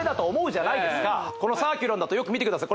このサーキュロンだとよく見てください